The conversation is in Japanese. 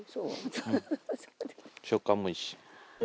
食感もいいし。